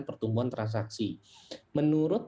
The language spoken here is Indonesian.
pertumbuhan transaksi menurut